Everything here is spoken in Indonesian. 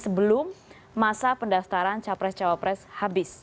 sebelum masa pendaftaran capres cawapres habis